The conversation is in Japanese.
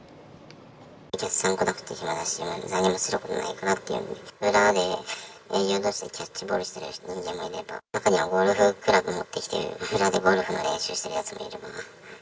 お客さん来なくて暇だし、何もすることないからっていうので、裏で営業どうしでキャッチボールしてる人間もいれば、中にはゴルフクラブ持ってきてゴルフの練習してるやつもいれば。